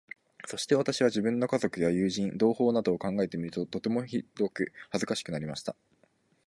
そして私は、自分の家族や友人、同胞などを考えてみると、とてもひどく恥かしくなりました。